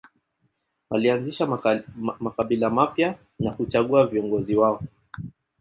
Walianzisha makabila mapya na kuchagua viongozi wao.